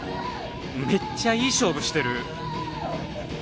めっちゃいい勝負してる！